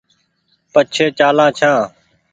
پڇي چآلان ڇآن